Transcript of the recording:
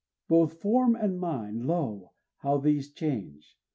Both form and mind Lo! how these change!